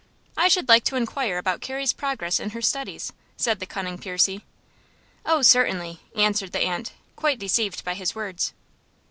"I should like to inquire about Carrie's progress in her studies," said the cunning Percy. "Oh, certainly," answered the aunt, quite deceived by his words.